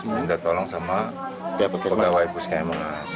minta tolong sama pegawai puskemas